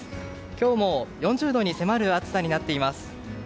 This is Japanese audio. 今日も４０度に迫る暑さになっています。